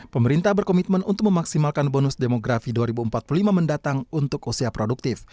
pemerintah berkomitmen untuk memaksimalkan bonus demografi dua ribu empat puluh lima mendatang untuk usia produktif